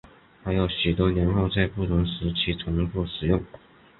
还有许多年号在不同时期重复使用。